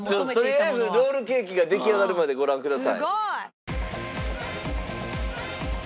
とりあえずロールケーキが出来上がるまでご覧ください。